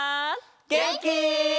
げんき？